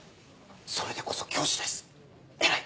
それでこそ教師です偉い！